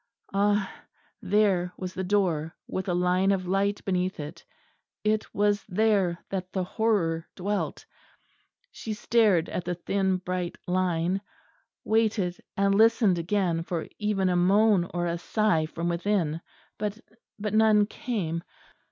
Ah! there was the door, with a line of light beneath it. It was there that the horror dwelt. She stared at the thin bright line; waited and listened again for even a moan or a sigh from within, but none came.